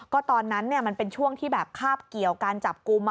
ก็ตอนนั้นมันเป็นช่วงที่แบบคาบเกี่ยวการจับกลุ่ม